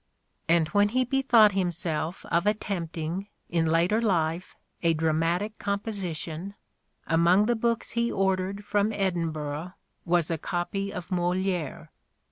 And when he bethought himself of attempting, in later life, a dramatic com position, among the books he ordered from Edinburgh was a copy of Moliere.